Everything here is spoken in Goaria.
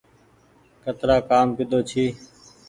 ڪترآ ڪآم ڪيۮو ڇي۔